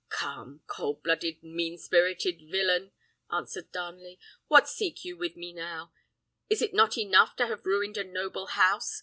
"Calm, cold blooded, mean spirited villain!" answered Darnley, "what seek you with me now? Is it not enough to have ruined a noble house?